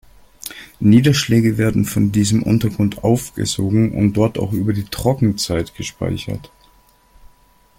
Niederschläge werden von diesem Untergrund aufgesogen und dort auch über die Trockenzeit gespeichert.